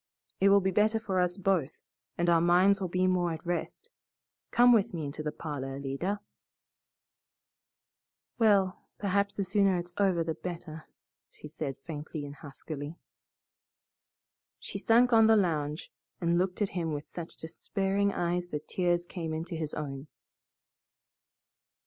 It will be better for us both, and our minds will be more at rest. Come with me into the parlor, Alida." "Well, perhaps the sooner it's over the better," she said faintly and huskily. She sunk on the lounge and looked at him with such despairing eyes that tears came into his own.